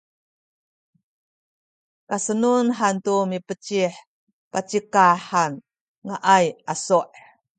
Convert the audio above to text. kasenun hantu mipecih pacikah han ngaay asu’